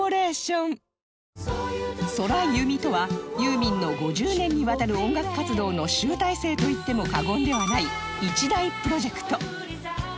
空ユミとはユーミンの５０年にわたる音楽活動の集大成といっても過言ではない一大プロジェクト